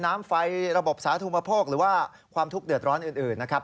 น้ำไฟระบบสาธุมโภคหรือว่าความทุกข์เดือดร้อนอื่นนะครับ